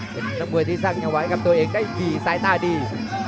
เป็นนักมือที่สร้างยังไหวกับตัวเองได้ดีซ้ายหน้าดี